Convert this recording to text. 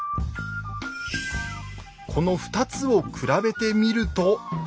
この２つを比べてみると。